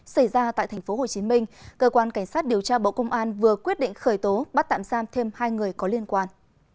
xảy ra tại tp hcm cơ quan cảnh sát điều tra bộ công an vừa quyết định khởi tố bắt tạm giam thêm hai người có liên quan